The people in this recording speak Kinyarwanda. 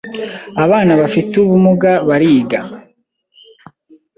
Abana bafite ubumuga bariga